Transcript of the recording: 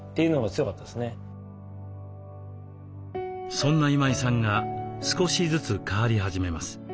そんな今井さんが少しずつ変わり始めます。